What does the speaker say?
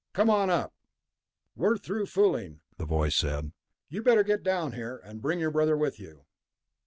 "Come on up." "We're through fooling," the voice said. "You'd better get down here. And bring your brother with you."